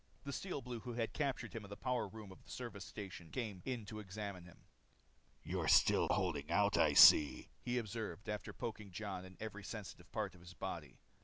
The Steel Blue who had captured him in the power room of the service station came in to examine him. "You're still holding out, I see," he observed after poking Jon in every sensitive part of his body.